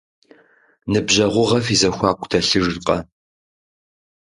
Ныбжьэгъугъэ фи зэхуаку дэлъыжкъэ?